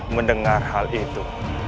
mendengar hal itu